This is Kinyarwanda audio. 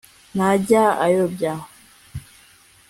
ntajya ayobya